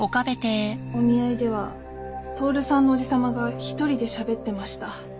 お見合いでは透さんの叔父様が１人でしゃべってました。